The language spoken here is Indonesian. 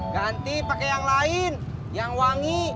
ganti pakai yang lain yang wangi